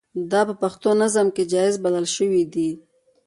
دا په پښتو نظم کې جائز بلل شوي دي.